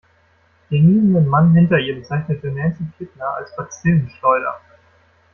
Den niesenden Mann hinter ihr bezeichnete Nancy Kittner als Bazillenschleuder.